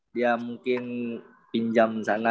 dia mungkin pinjam sana